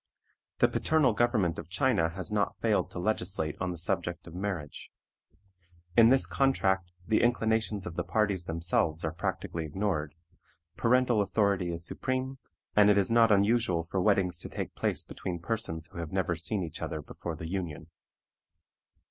The paternal government of China has not failed to legislate on the subject of marriage. In this contract the inclinations of the parties themselves are practically ignored; parental authority is supreme, and it is not unusual for weddings to take place between persons who have never seen each other before the union.